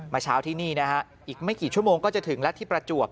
เช้าที่นี่นะฮะอีกไม่กี่ชั่วโมงก็จะถึงแล้วที่ประจวบ